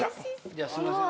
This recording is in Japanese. じゃすいません。